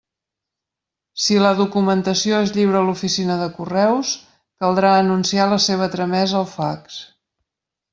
Si la documentació es lliura a l'Oficina de Correus, caldrà anunciar la seva tramesa al fax.